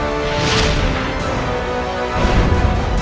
assalamualaikum warahmatullahi wabarakatuh